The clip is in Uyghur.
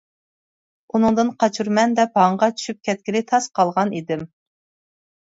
ئۇنىڭدىن قاچۇرىمەن دەپ ھاڭغا چۈشۈپ كەتكىلى تاس قالغان ئىدىم.